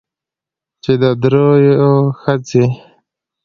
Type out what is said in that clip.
چې د درېو ښځې